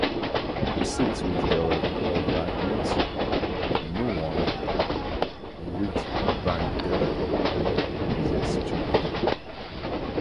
For six rigsdaler in old banknotes, a new one rigsbankdaler note was exchanged.